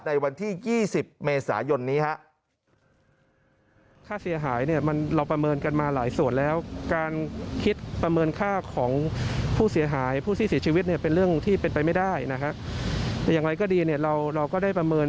ในวันที่๒๐เมษายนนี้ครับ